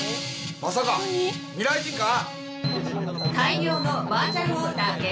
まさか未来人か？